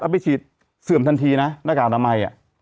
เอาไปฉีดเสื่อมทันทีนะหน้ากากกาดามัยอ่ะ